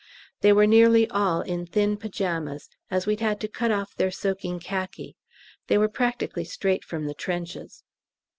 They were nearly all in thin pyjamas, as we'd had to cut off their soaking khaki: they were practically straight from the trenches.